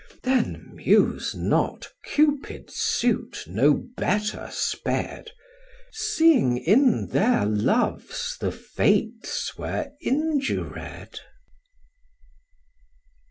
Then muse not Cupid's suit no better sped, Seeing in their loves the Fates were injured.